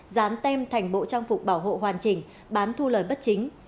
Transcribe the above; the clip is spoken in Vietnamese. dán tem thành bộ trang phục bảo hộ hoàn chỉnh bán thu lời bất chính